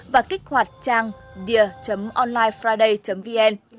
và kích hoạt trang dear onlinefriday vn